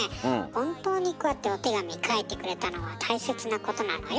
本当にこうやってお手紙書いてくれたのは大切なことなのよ。